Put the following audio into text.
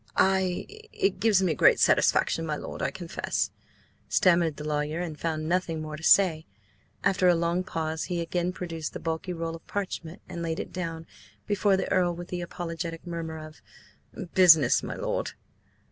"I— It gives me great satisfaction, my lord, I confess," stammered the lawyer, and found nothing more to say. After a long pause he again produced the bulky roll of parchment and laid it down before the Earl with the apologetic murmur of: "Business, my lord!"